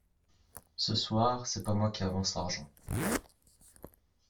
Ce soir c'est pas moi qui avance l'argent.